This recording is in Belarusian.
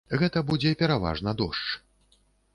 Гэта будзе пераважна дождж.